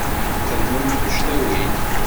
Txedmem tuccḍiwin.